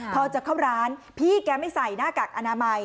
พอจะเข้าร้านพี่แกไม่ใส่หน้ากากอนามัย